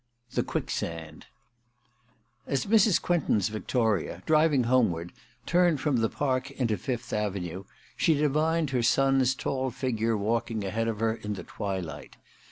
THE QUICKSAND aSi I As Mrs. Quentin's victoria, driving homeward, turned from the Park into Fifth Avenue, she divined her son's tall figure walking ahead of her in the twilight.